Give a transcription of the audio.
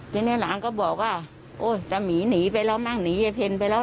วันนี้หลานก็บอกว่าโอ๊ยคราวหนี้หนีไปแล้วมั่งหนีไอเภนไปแล้วล่ะ